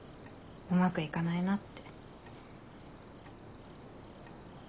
うまくいかないなって。